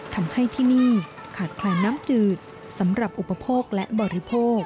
ทำให้ที่นี่ขาดแคลนน้ำจืดสำหรับอุปโภคและบริโภค